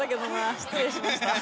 失礼しました。